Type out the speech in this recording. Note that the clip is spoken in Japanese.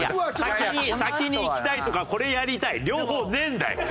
先に先にいきたいとかこれやりたい両方ねえんだよ！